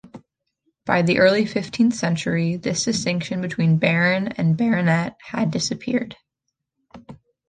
By the early fifteenth century, this distinction between baron and banneret had disappeared.